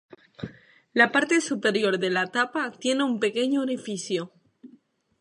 La parte superior de la tapa tiene un pequeño orificio.